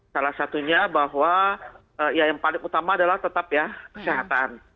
salah satunya bahwa yang paling utama adalah tetap ya